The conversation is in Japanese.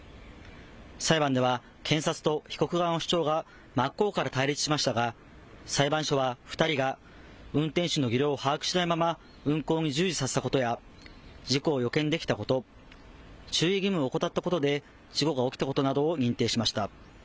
裁判では検察と被告側の主張が真っ向から対立しましたが裁判所は２人が運転手の技量を把握しないまま運行に従事させたことや事故を予見できたこと、注意義務を怠ったことで事故が起きたことなどを認定しました。